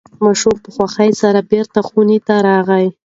ماشوم په خوښۍ سره بیرته خونې ته راغی.